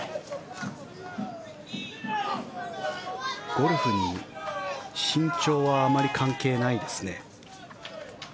ゴルフに身長はあまり関係ないですね。